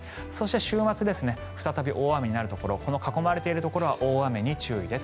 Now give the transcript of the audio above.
週末に再び大雨となるところこの囲まれているところは大雨に注意です。